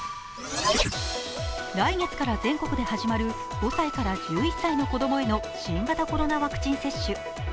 来月から全国で始まる５歳１１歳の子供への新型コロナワクチン接種。